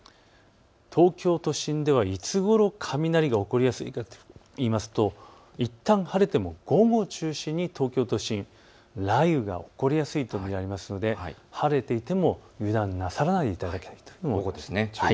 東京都心ではいつごろ雷が起こりやすいかといいますといったん晴れても午後を中心に東京都心、雷雨が起こりやすいと見られますので晴れていても油断なさらないでいただきたいと思います。